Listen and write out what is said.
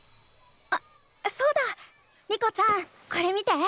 あそうだ。リコちゃんこれ見て。